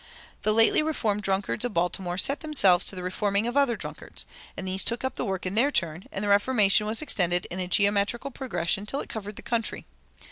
The lately reformed drunkards of Baltimore set themselves to the reforming of other drunkards, and these took up the work in their turn, and reformation was extended in a geometrical progression till it covered the country.